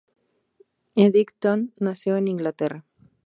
Eddington nació en Inglaterra.